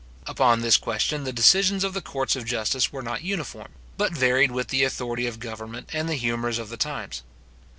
Upon this question the decisions of the courts of justice were not uniform, but varied with the authority of government, and the humours of the times.